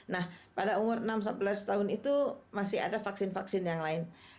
nah pada umur enam sebelas tahun itu masih ada vaksin vaksin yang lain